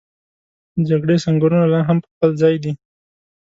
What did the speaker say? د جګړې سنګرونه لا هم په خپل ځای دي.